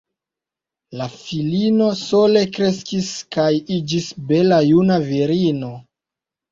La filino sole kreskis kaj iĝis bela juna virino.